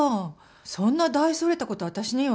そんな大それた事私には。